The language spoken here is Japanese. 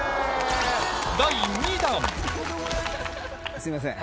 すいません